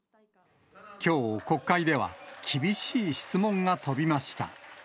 きょう、国会では、厳しい質問が飛びました。